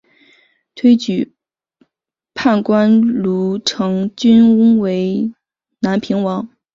推举判官卢成均为南平王。